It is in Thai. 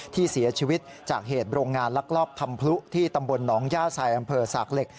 ที่เสียชีวิตจากเหตุโรงงานลักลอบทำพลุที่ตำบลหนองย่าใส่อำเภอสากเหล็ก